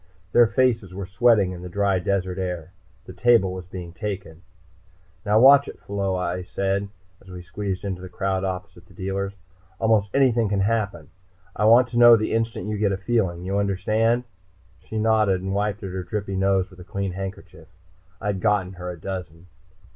Their faces were sweating in the dry desert air. The table was being taken. "Now watch it, Pheola," I said, as we squeezed into the crowd, opposite the dealers. "Almost anything can happen. I want to know the instant you get a feeling. You understand?" She nodded and wiped at her drippy nose with a clean handkerchief. I'd gotten her a dozen.